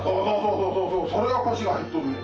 そうそうそうそれが腰が入っとんねん。